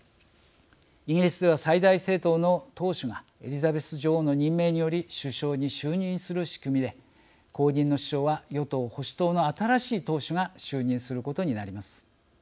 イギリスでは最大政党の党首がエリザベス女王の任命により首相に就任する仕組みで後任の首相は与党・保守党の新しい党首が就任することになります。